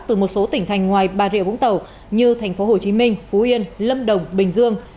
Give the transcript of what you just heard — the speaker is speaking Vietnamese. từ một số tỉnh thành ngoài bà rịa vũng tàu như thành phố hồ chí minh phú yên lâm đồng bình dương